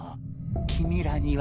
君らにはね。